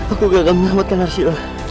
aku gagal menyelamatkan hasilnya